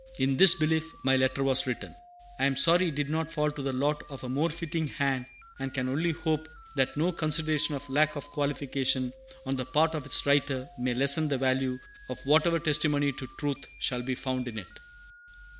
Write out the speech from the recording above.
In this belief my letter was written. I am sorry it did not fall to the lot of a more fitting hand; and can only hope that no consideration of lack of qualification on the part of its writer may lessen the value of whatever testimony to truth shall be found in it.